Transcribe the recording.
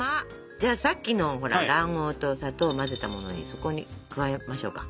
じゃあさっきのほら卵黄と砂糖を混ぜたものにそこに加えましょうか。